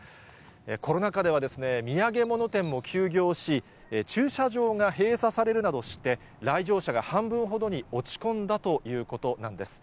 コロナ禍では土産物店も休業し、駐車場が閉鎖されるなどして、来場者が半分ほどに落ち込んだということなんです。